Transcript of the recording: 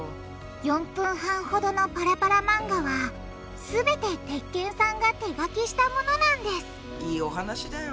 ４分半ほどのパラパラ漫画はすべて鉄拳さんが手がきしたものなんですいいお話だよ。